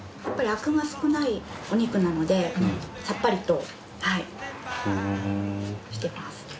やっぱりアクが少ないお肉なのでさっぱりとしてます。